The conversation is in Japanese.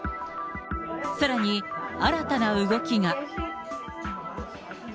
さらに新たな動きが。